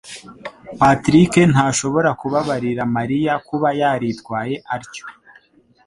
Patrick ntashobora kubabarira Mariya kuba yaritwaye atyo.